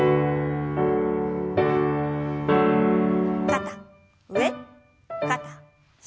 肩上肩下。